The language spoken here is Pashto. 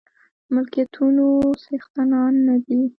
ملکيتونو څښتنان نه دي.